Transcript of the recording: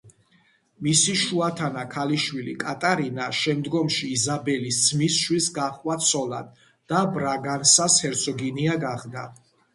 მისი შუათანა ქალიშვილი კატარინა, შემდგომში იზაბელის ძმის შვილს გაჰყვა ცოლად და ბრაგანსას ჰერცოგინია გახდა.